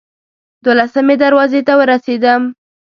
دولسمې دروازې ته ورسېدم.